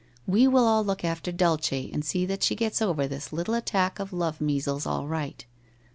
We will all look after Dulce, and see that she gets over this little attack of love measles all right.